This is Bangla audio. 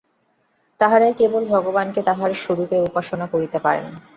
তাঁহারাই কেবল ভগবানকে তাঁহার স্বরূপে উপাসনা করিতে পারেন।